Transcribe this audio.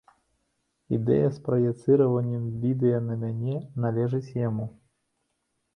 Ідэя з праецыраваннем відэа на мяне належыць яму.